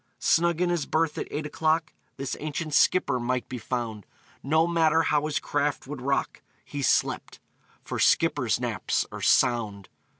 Snug in his berth, at eight o'clock, This ancient skipper might be found; No matter how his craft would rock, He slept for skippers' naps are sound!